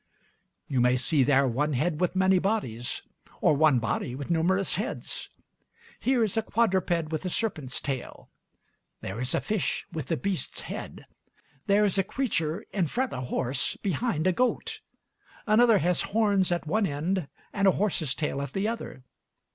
You may see there one head with many bodies, or one body with numerous heads. Here is a quadruped with a serpent's tail; there is a fish with a beast's head; there a creature, in front a horse, behind a goat; another has horns at one end, and a horse's tail at the other.